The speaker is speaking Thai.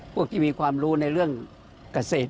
พวกที่มีความรู้ในเรื่องเกษตร